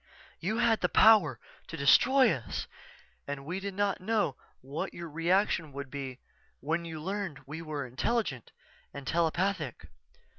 You had the power to destroy us and we did not know what your reaction would be when you learned we were intelligent and telepathic.